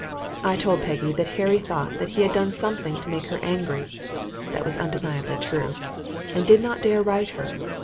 I told Peggy that Harry thought that he had done something to make her angry (that was undeniably true) and did not dare write her.